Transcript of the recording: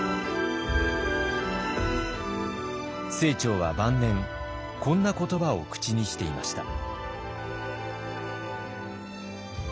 清張は晩年こんな言葉を口にしていました。